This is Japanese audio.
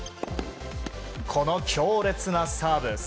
この強烈なサーブ。